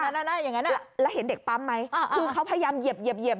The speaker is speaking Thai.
เด็กป้ำพยามเหยียบ